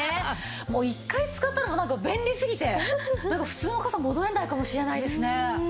もう一回使ったら便利すぎて普通の傘戻れないかもしれないですね。